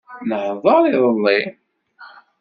Nehḍeṛ idelli.